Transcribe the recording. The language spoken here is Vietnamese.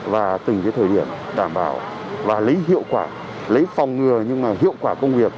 và từng thời điểm đảm bảo và lấy hiệu quả lấy phòng ngừa nhưng mà hiệu quả công việc